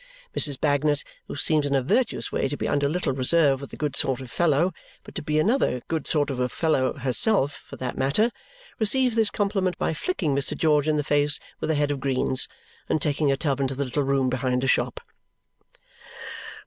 Mrs. Bagnet, who seems in a virtuous way to be under little reserve with a good sort of fellow, but to be another good sort of fellow herself for that matter, receives this compliment by flicking Mr. George in the face with a head of greens and taking her tub into the little room behind the shop.